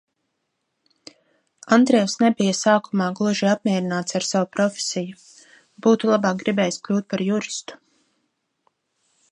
Andrievs nebija sākumā gluži apmierināts ar savu profesiju, būtu labāk gribējis kļūt par juristu.